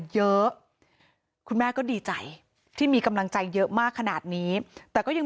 เยอะมากคุณแม่ก็ดีใจที่มีกำลังใจเยอะมากขนาดนี้แต่ก็ยัง